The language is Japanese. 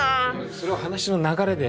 それは話の流れで。